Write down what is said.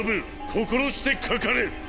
心してかかれ！